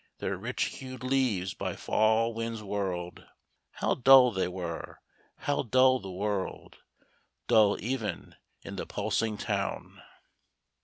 Their rich hued leaves by Fall winds whirled How dull they were how dull the world Dull even in the pulsing town.